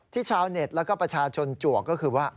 ชาวเน็ตแล้วก็ประชาชนจวกก็คือว่า